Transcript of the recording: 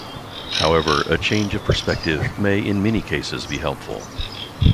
However, a change of perspective may in many cases be helpful.